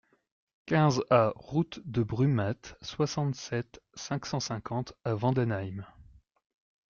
quinze A route de Brumath, soixante-sept, cinq cent cinquante à Vendenheim